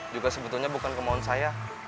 juga sebetulnya bukan kemauan saya